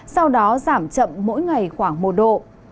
sau đó giảm chậm mỗi ngày khoảng một độ